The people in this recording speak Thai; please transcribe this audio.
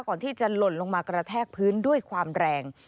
ก่อนที่จะหล่นลงมากระแทกพื้นด้วยความแรง